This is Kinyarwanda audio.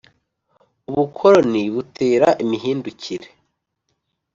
Ubukoloni butera imihindukire